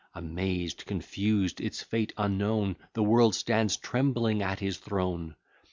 Amaz'd, confus'd, its fate unknown, The world stands trembling at his throne!